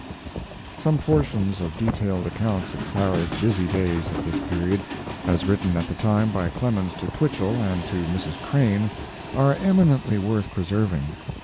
Some portions of detailed accounts of Clara's busy days of this period, as written at the time by Clemens to Twichell and to Mrs. Crane, are eminently worth preserving.